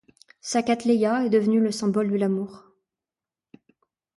Sa Cattleya, est devenue le symbole de l'amour.